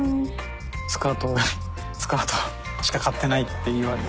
スカートもスカートしか買ってないって言われ。